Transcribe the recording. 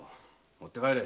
持って帰れ。